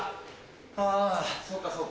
あぁそうかそうか。